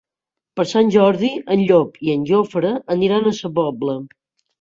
Per Sant Jordi en Llop i en Jofre aniran a Sa Pobla.